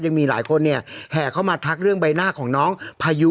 ยังมีหลายคนเนี่ยแห่เข้ามาทักเรื่องใบหน้าของน้องพายุ